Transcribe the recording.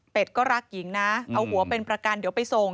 ก็รักหญิงนะเอาหัวเป็นประกันเดี๋ยวไปส่ง